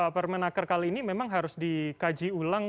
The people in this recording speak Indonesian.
permenaker kali ini memang harus dikaji ulang